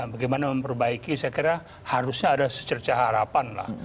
bagaimana memperbaiki saya kira harusnya ada secerca harapan lah